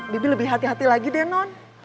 bibik lebih hati hati lagi deh non